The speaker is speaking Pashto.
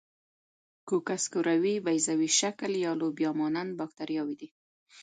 کوکس کروي، بیضوي شکل یا لوبیا مانند باکتریاوې دي.